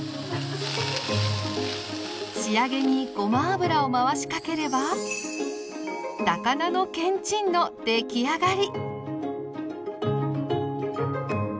仕上げにごま油を回しかければの出来上がり。